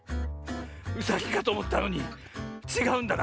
うさぎかとおもったのにちがうんだな。